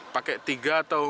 pakai tiga atau empat